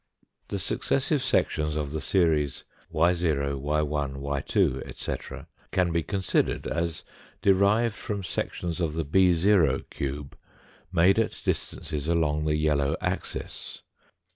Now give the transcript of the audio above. The successive sections of the series, y oj y^ y 2 , etc., can be considered as derived from sections of the 6 cube made at distances along the yellow axis.